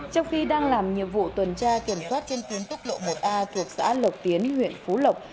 trong khi đang làm nhiệm vụ tuần tra kiểm soát trên tuyến tốc độ một a thuộc xã lộc tiến huyện phú lộc